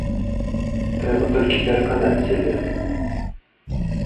Трэба толькі пераканаць сябе.